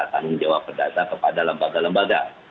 tanggung jawab perdata kepada lembaga lembaga